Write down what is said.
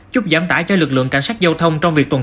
giúp giám tải cho lực lượng cảnh sát giao thông trong việc tuần tra